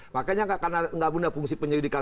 makanya karena tidak ada fungsi penyelidikan